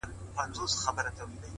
اوس هره شپه سپينه سپوږمۍ-